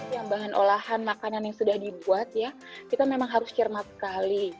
yang bahan olahan makanan yang sudah dibuat ya kita memang harus cermat sekali